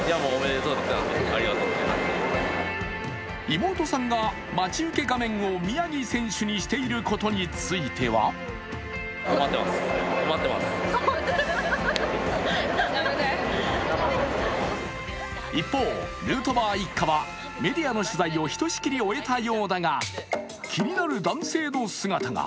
妹さんが待ち受け画面を宮城選手にしていることについては一方、ヌートバー一家はメディアの取材をひとしきり終えたようだが気になる男性の姿が。